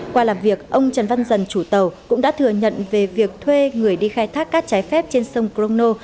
qua làm việc ông trần văn dần chủ tàu cũng đã thừa nhận về việc thuê người đi khai thác cát trái phép trên sông crono